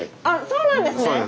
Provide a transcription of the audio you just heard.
あそうなんですね！